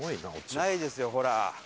ないですよほら。